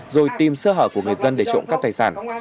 rồi tìm sơ hở của người dân để trộm cắp tài sản